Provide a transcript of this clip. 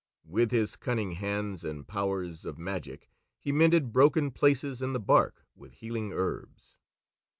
With his cunning hands and powers of magic he mended broken places in the bark with healing herbs.